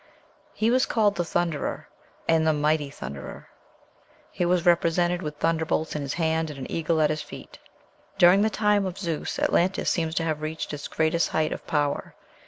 He was called "the thunderer," and "the mighty thunderer." He was represented with thunder bolts in his hand and an eagle at his feet. During the time of Zeus Atlantis seems to have reached its greatest height of power.